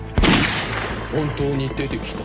本当に出てきた。